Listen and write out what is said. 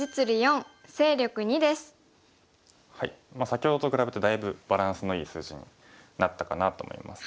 先ほどと比べてだいぶバランスのいい数字になったかなと思います。